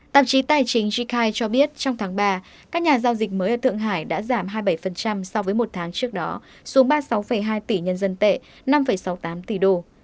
tạp chí tài chính jkide cho biết trong tháng ba các nhà giao dịch mới ở thượng hải đã giảm hai mươi bảy so với một tháng trước đó xuống ba mươi sáu hai tỷ nhân dân tệ năm sáu mươi tám tỷ đô